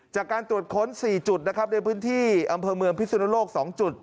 จากการตรวจค้น๔จุดนะครับในพื้นที่อำเภอเมืองพิสุนโลก๒จุด